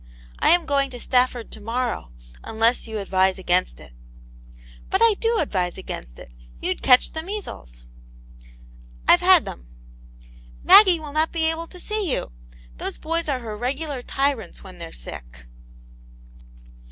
I am .going • to Stafford to morrow, unless you advise against it" "But I do advise against it. You*d catch the measles." "Fvehad them." " Maggie will not be able to see you. Those boys are her regular tyrants when they're sick."